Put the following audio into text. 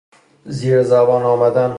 زیر زبان آمدن